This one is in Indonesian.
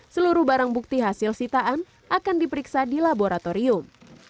seluruh barang bukti hasil sitaan akan diperiksa di laboratorium